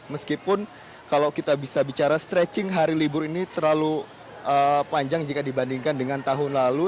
meskipun kalau kita bisa bicara stretching hari libur ini terlalu panjang jika dibandingkan dengan tahun lalu